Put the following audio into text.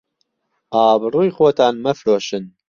ئابڕووی خۆتان مەفرۆشن